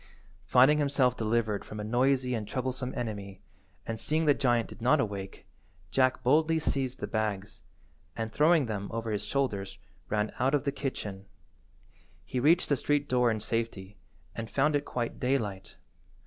Finding himself delivered from a noisy and troublesome enemy, and seeing the giant did not awake, Jack boldly seized the bags, and, throwing them over his shoulders, ran out of the kitchen. He reached the street–door in safety, and found it quite daylight.